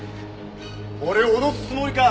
俺を脅すつもりか？